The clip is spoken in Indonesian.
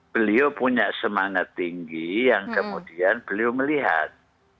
beliau punya semangat tinggi yang kemudian beliau melihat